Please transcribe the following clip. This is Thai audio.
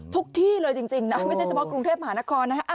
ที่เลยจริงนะไม่ใช่เฉพาะกรุงเทพมหานครนะฮะ